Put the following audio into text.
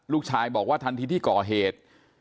ลูกชายบอกว่าทันทีที่ก่อเหตุ